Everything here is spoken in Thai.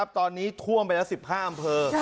ตอนนี้ท่วมไปแล้ว๑๕อำเภอ